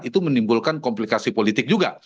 itu menimbulkan komplikasi politik juga